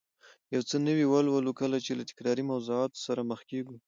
یو څه نوي ولولو، کله چې له تکراري موضوعاتو سره مخ کېږو